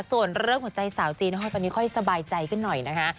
ส่วนเรื่องหัวใจสาวจีนห้อยตอนนี้ค่อยสบายใจขึ้นหน่อยนะคะ